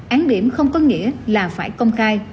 án điểm không có nghĩa là phải công khai